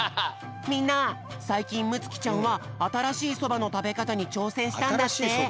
みんなさいきんむつきちゃんはあたらしいそばのたべかたにちょうせんしたんだって。